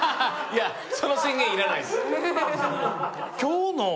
いやその宣言いらないです